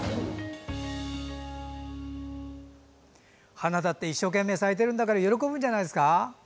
花だって一生懸命咲いているんだから喜ぶんじゃないですか。